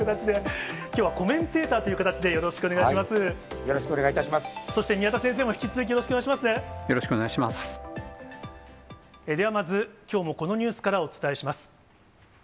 ではまず、きょうも、このニュースからお伝えします。